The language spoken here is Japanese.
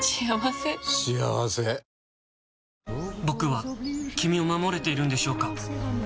僕は君を守れているんでしょうか？